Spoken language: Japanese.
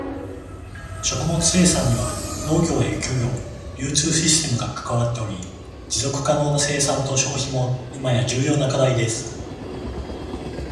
食物生産には農業や漁業、流通システムが関わっており、持続可能な生産と消費も今や重要な課題です。